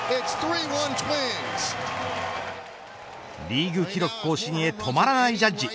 リーグ記録更新へ止まらないジャッジ。